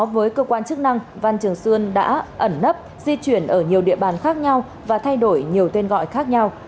với cơ quan chức năng văn trường xuân đã ẩn nấp di chuyển ở nhiều địa bàn khác nhau và thay đổi nhiều tên gọi khác nhau